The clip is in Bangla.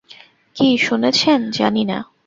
কী শুনেছেন, জানি না।